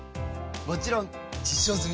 もちろん実証済！